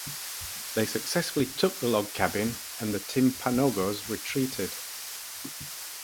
They successfully took the log cabin, and the Timpanogos retreated.